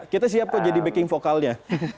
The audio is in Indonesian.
kita siap kok jadi baking vokalnya